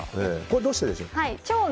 どうしてでしょう？